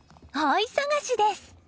大忙しです！